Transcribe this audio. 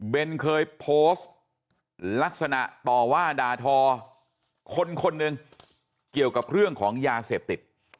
เป็นเคยโพสต์ลักษณะต่อว่าด่าทอคนคนหนึ่งเกี่ยวกับเรื่องของยาเสพติด